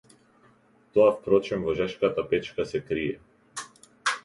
Тоа впрочем во жешката печка се крие.